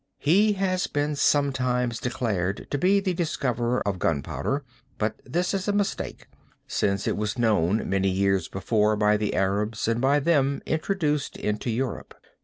He has been sometimes declared to be the discoverer of gunpowder, but this is a mistake since it was known many years before by the Arabs and by them introduced into Europe.